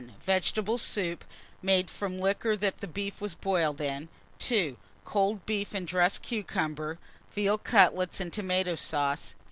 Vegetable soup, made from liquor that beef was boiled in. 2. Cold beef and dressed cucumber, veal cutlets and tomato sauce.